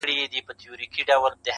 غربته ستا په شتون کي وسوه په ما-